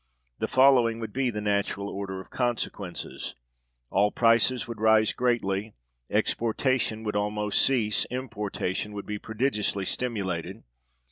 The following would be the natural order of consequences: All prices would rise greatly. Exportation would almost cease; importation would be prodigiously stimulated.